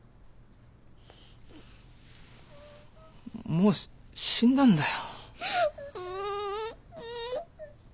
もう死んだんだよ。